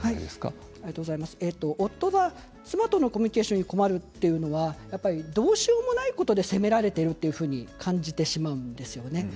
夫が妻とのコミュニケーションに困るというのはどうしようもないことで責められているというふうに感じてしまうんですよね。